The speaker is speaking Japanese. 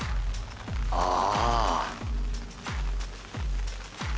ああ。